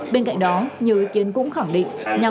bên cạnh đó nhiều ý kiến cũng khẳng định